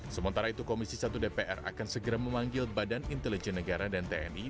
sementara itu komisi satu dpr akan segera memanggil badan intelijen negara dan tni